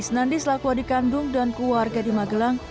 isnandi selaku adik kandung dan keluarga di magelang